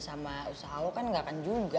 sama usaha lo kan gak akan juga